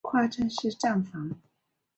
跨站式站房。